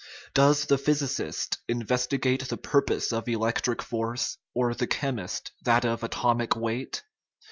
Does the phys icist investigate the purpose of electric force, or the chemist that of atomic weight?